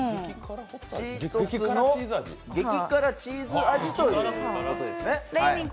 チートスの激辛チーズ味ということですね。